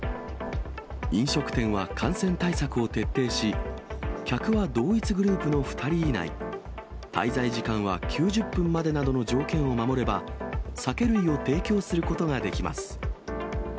飲食店は感染対策を徹底し、客は同一グループの２人以内、滞在時間は９０分までなどの条件を守れば、酒類を提供することができます。